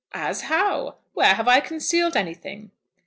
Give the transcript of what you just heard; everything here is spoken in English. "As how! Where have I concealed anything?"